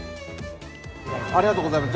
ありがとうございます。